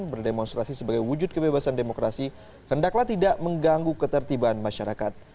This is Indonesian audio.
berdemonstrasi sebagai wujud kebebasan demokrasi hendaklah tidak mengganggu ketertiban masyarakat